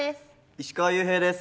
石川裕平です。